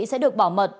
sẽ được bảo mật